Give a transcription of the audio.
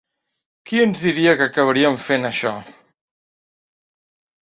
Qui ens diria que acabaríem fent això?